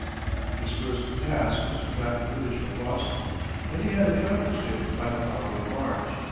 His first task was to drive the British from Boston, and he had accomplished it by the following March.